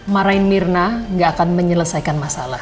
marahin mirna gak akan menyelesaikan masalah